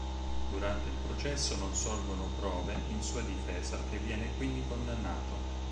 Durante il processo non sorgono prove in sua difesa e viene quindi condannato.